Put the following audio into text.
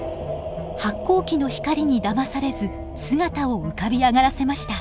発光器の光にだまされず姿を浮かび上がらせました。